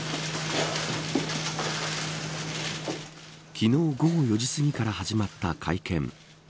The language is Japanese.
昨日午後４時すぎから始まった会見。